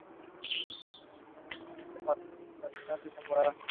No pudiendo conseguir un bajista, el guitarrista Nicolas optó por cubrir ese puesto.